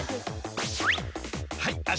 ［はい。